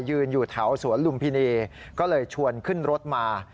อยู่แถวสวนลุมพินีก็เลยชวนขึ้นรถมา